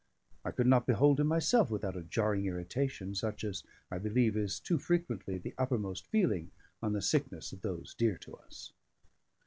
I could not behold him myself without a jarring irritation, such as, I believe, is too frequently the uppermost feeling on the sickness of those dear to us.